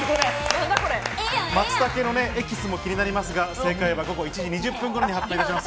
松茸のエキスも気になりますが、正解は午後１時２０分頃に発表します。